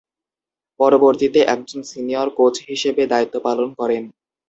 পরবর্তীতে একজন senior coach হিসেবে দায়িত্ব পালন করেন।